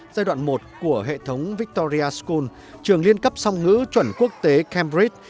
giai đoạn một của hệ thống victoria school trường liên cấp song ngữ chuẩn quốc tế cambridge